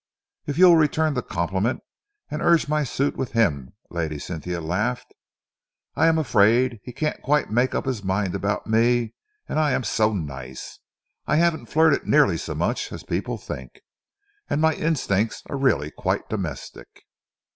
"If you'll return the compliment and urge my suit with him," Lady Cynthia laughed. "I am afraid he can't quite make up his mind about me, and I am so nice. I haven't flirted nearly so much as people think, and my instincts are really quite domestic."